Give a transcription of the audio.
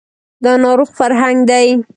دا ناروغ فرهنګ دی